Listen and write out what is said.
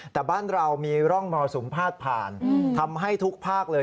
แต่บ้านเรามีร่องมรสุมพาดผ่านทำให้ทุกภาคเลย